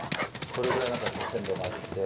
それぐらい鮮度があって。